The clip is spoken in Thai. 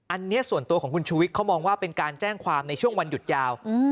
อันนี้ส่วนตัวของคุณชูวิทย์เขามองว่าเป็นการแจ้งความในช่วงวันหยุดยาว